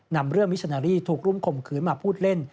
นำเรื่องวิชชาณาลีถูกรุ่มคมคืนมาพูดเล่น